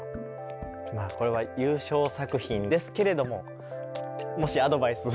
これは優勝作品ですけれどももしアドバイス。